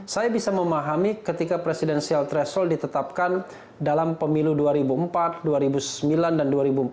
saya bisa memahami ketika presidensial threshold ditetapkan dalam pemilu dua ribu empat dua ribu sembilan dan dua ribu empat belas